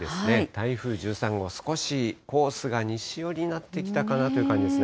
台風１３号、少しコースが西寄りになってきたかなという感じですね。